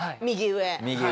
右上。